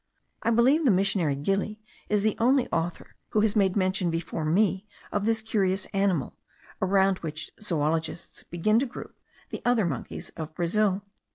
I believe the missionary Gili is the only author who has made mention before me of this curious animal, around which zoologists begin to group other monkeys of Brazil.